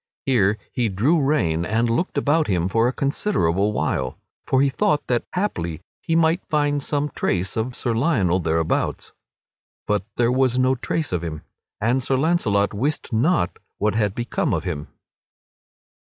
Here he drew rein and looked about him for a considerable while; for he thought that haply he might find some trace of Sir Lionel thereabouts. But there was no trace of him, and Sir Launcelot wist not what had become of him.